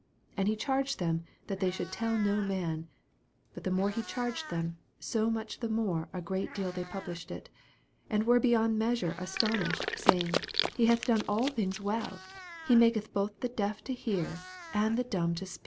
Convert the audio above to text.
36 And he charged them that they should tell no man : but the more he charged them, so much the more a great deal they published it ; 37 And were beyond measure aston ished, saying, He bath done all things well: he niaketh both the deaf to hear, and the dumb to speak.